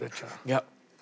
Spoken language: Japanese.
いや。